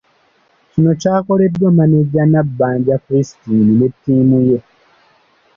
Kino kyakoleddwa Maneja Nabbanja Christine ne ttiimu ye.